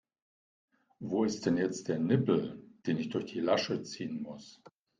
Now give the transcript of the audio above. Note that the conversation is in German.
Wo ist denn jetzt der Nippel, den ich durch die Lasche ziehen muss?